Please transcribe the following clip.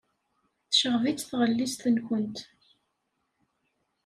Tecɣeb-itt tɣellist-nwent.